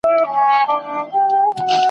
بیا به اورېږي پر غزلونو ..